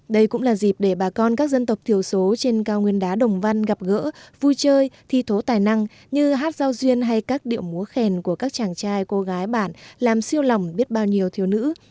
đây cũng là dịp để bà con các dân tộc thiểu số trên cao nguyên đá đồng văn gặp gỡ vui chơi thi thố tài năng như hát giao duyên hay các điệu múa khen của các chàng trai cô gái bản làm siêu lỏng biết bao nhiêu thiếu nữ